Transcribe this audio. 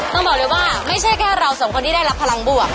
ต้องบอกเลยว่าไม่ใช่แค่เราสองคนที่ได้รับพลังบวก